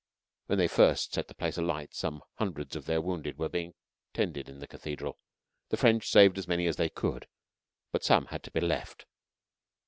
When they first set the place alight some hundreds of their wounded were being tended in the Cathedral. The French saved as many as they could, but some had to be left.